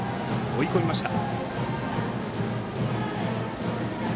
追い込みました。